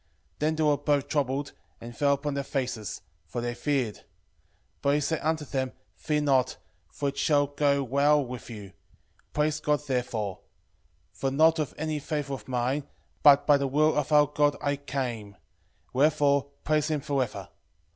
12:16 Then they were both troubled, and fell upon their faces: for they feared. 12:17 But he said unto them, Fear not, for it shall go well with you; praise God therefore. 12:18 For not of any favour of mine, but by the will of our God I came; wherefore praise him for ever.